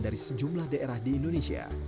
dari sejumlah daerah di indonesia